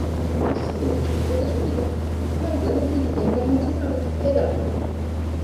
Il singolo riceve già da subito il plauso dalla critica internazionale e dal pubblico.